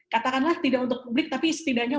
katakanlah tidak untuk publik tapi setidaknya